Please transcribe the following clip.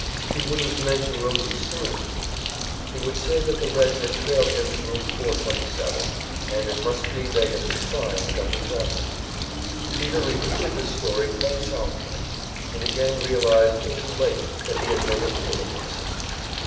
He wouldn't mention Rosie Stern, of course; he would say that the Reds had trailed him to Room 427, and it must be they had a spy in Guffey's office. Peter repeated this story quite solemnly, and again realized too late that he had made a fool of himself.